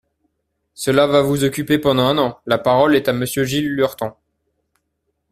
Cela va vous occuper pendant un an ! La parole est à Monsieur Gilles Lurton.